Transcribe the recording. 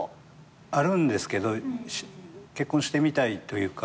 あるんですけど結婚してみたいというか。